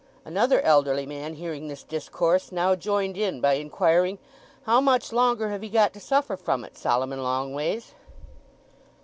Another elderly man, hearing this discourse, now joined in by inquiring, "How much longer have he got to suffer from it, Solomon Longways?"